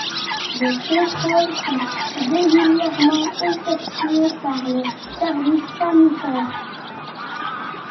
Des contrôles sont régulièrement effectués par les services sanitaires.